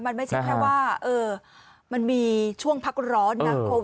มันไม่ใช่แค่ว่ามันมีช่วงพักร้อนนะโควิด